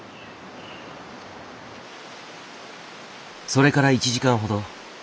それから１時間ほど。